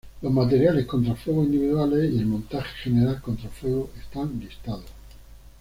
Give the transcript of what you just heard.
Los materiales contra fuego individuales y el montaje general contra fuego están listados.